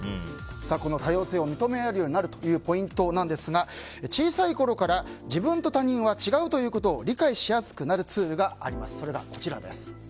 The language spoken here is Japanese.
多様性を認め合えるようになるというポイントなんですが小さいころから自分と他人は違うということを理解しやすくなるツールがあります。